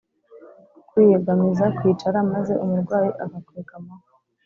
kwiyegamiza: kwicara maze umurwayi akakwegamaho.